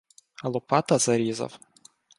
Лопата зарізав.